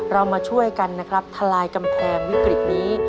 เรามาช่วยกันนะครับทลายกำแพงวิกฤตนี้